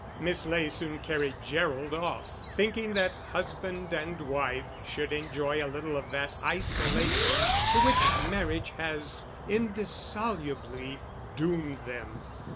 Miss Ley soon carried Gerald off, thinking that husband and wife should enjoy a little of that isolation to which marriage had indissolubly doomed them.